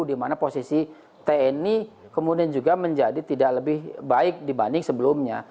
dimana posisi tni kemudian juga menjadi tidak lebih baik dibanding sebelumnya